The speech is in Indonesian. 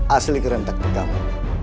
asli keren taktik kamu